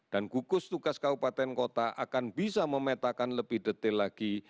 dan gugus tugas kabupaten kota akan bisa memetakan lebih detail lagi